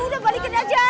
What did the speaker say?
udah balikin aja